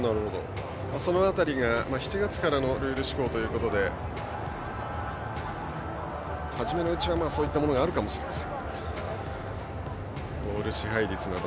その辺りが７月からのルール施行ということではじめのうちはそういったものがあるかもしれません。